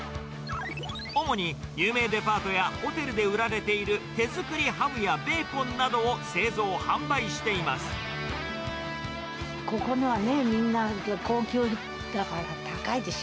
主に有名デパートやホテルで売られている手作りハムやベーコンなここのはね、みんな、高級だから高いでしょ？